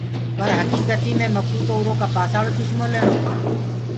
پر هڪيڪتي مي مڪوُ تو اُرو ڪآ پآسآݪو ڪسمو ليڻتو۔